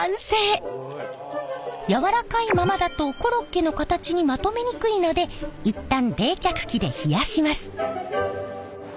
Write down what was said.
やわらかいままだとコロッケの形にまとめにくいので一旦冷却機で冷やします。